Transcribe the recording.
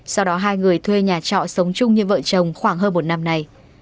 sau đó hai người thuê nhà trọ sống chung như vợ chồng khoảng hơn một năm nay